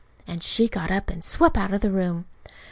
And she got up and swept out of the room.